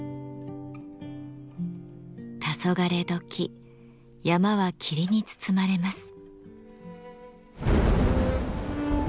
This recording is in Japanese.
たそがれ時山は霧に包まれます。